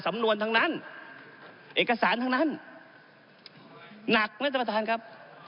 สำนวนทั้งนั้นเอกสารทั้งนั้นหนักไหมท่านประธานครับ